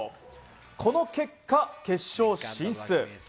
この結果、決勝進出。